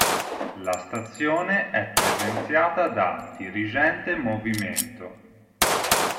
La stazione è presenziata da Dirigente Movimento.